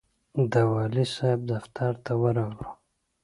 د والي صاحب دفتر ته ورغلو.